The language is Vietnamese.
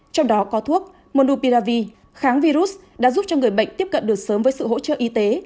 trong đó có thuốc monoupiravi kháng virus đã giúp cho người bệnh tiếp cận được sớm với sự hỗ trợ y tế